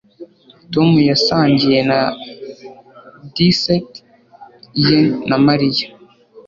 Tom yasangiye na dessert ye na Mariya